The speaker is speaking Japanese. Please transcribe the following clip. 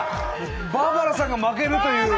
バーバラさんが負けるという。